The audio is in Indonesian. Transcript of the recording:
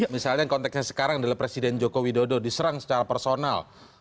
misalnya konteksnya sekarang adalah presiden joko widodo diserang secara personal